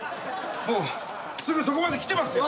もうすぐそこまで来てますよ！